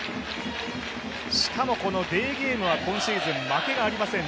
しかも、このデーゲームは今シーズン負けがありません。